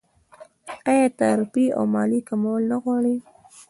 آیا تعرفې او مالیې کمول نه غواړي؟